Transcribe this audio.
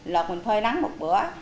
lọt mình phơi nắng một bữa